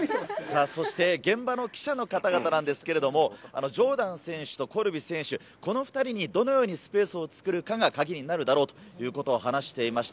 現場の記者の方々なんですけれども、ジョーダン選手とコルビ選手、この２人にどのようにスペースを作るかがカギになるだろうということを話していました。